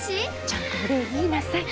ちゃんとお礼言いなさい。